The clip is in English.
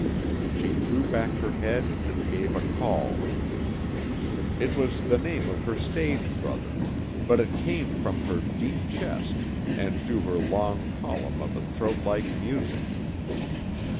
She threw back her head and gave a call. It was the name of her stage brother, but it came from her deep chest and through her long column of a throat like music.